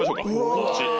こっち。